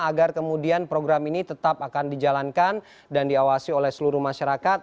agar kemudian program ini tetap akan dijalankan dan diawasi oleh seluruh masyarakat